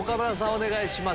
お願いします。